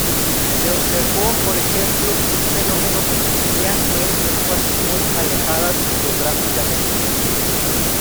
Se observó, por ejemplo, un fenómeno que ocurría en lenguas muy alejadas geográficamente.